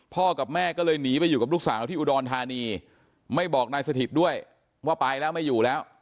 กับแม่ก็เลยหนีไปอยู่กับลูกสาวที่อุดรธานีไม่บอกนายสถิตด้วยว่าไปแล้วไม่อยู่แล้ว